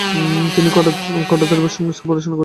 তিনি কটকে র্যাভেশন collegiate school পড়াশুনা করেছেন।